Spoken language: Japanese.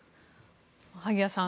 萩谷さん